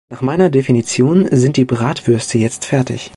Nach meiner Definition sind die Bratwürste jetzt fertig.